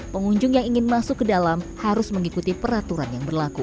pengunjung yang ingin masuk ke dalam harus mengikuti peraturan yang berlaku